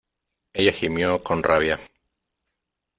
ella gimió con rabia :